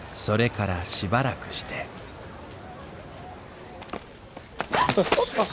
それからしばらくしてあっ！